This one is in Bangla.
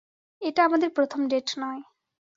এটা আমাদের প্রথম ডেট নয়।